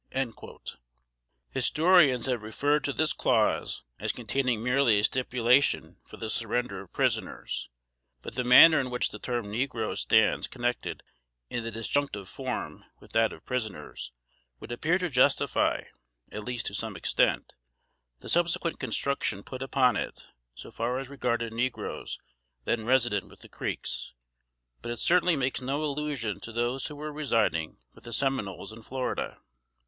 Historians have referred to this clause as containing merely a stipulation for the surrender of prisoners; but the manner in which the term "negroes" stands connected in the disjunctive form with that of "prisoners," would appear to justify, at least to some extent, the subsequent construction put upon it, so far as regarded negroes then resident with the Creeks; but it certainly makes no allusion to those who were residing with the Seminoles in Florida.